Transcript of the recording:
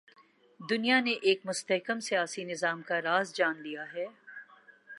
دنیا نے ایک مستحکم سیاسی نظام کا راز جان لیا ہے۔